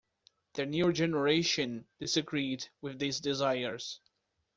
The newer generation disagreed with these desires.